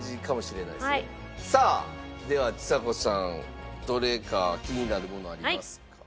さあではちさ子さんどれか気になるものありますか？